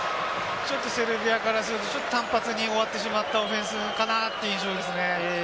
ちょっとセルビアからすると、単発に終わってしまったオフェンスかなという印象ですね。